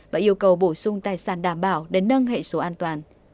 và yêu cầu bổ sung tài sản đảm bảo để nâng hệ số an toàn